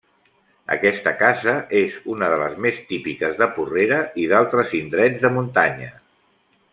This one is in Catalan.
Aquesta casa és una de les més típiques de Porrera i d'altres indrets de muntanya.